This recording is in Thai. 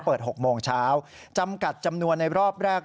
๖โมงเช้าจำกัดจำนวนในรอบแรก